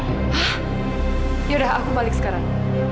yaudah aku balik sekarang